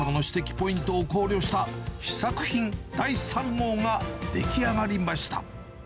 ポイントを考慮した試作品第３号が出来上がりました。